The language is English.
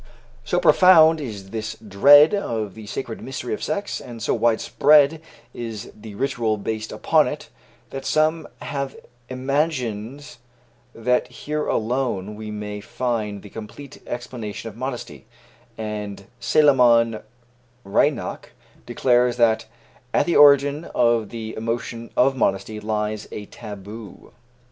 So profound is this dread of the sacred mystery of sex, and so widespread is the ritual based upon it, that some have imagined that here alone we may find the complete explanation of modesty, and Salomon Reinach declares that "at the origin of the emotion of modesty lies a taboo."